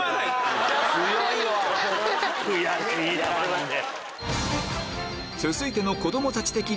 悔しいなマジで。